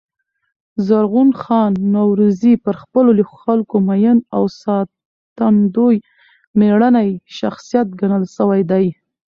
زرغون خان نورزي پر خپلو خلکو مین او ساتندوی مېړنی شخصیت ګڼل سوی دﺉ.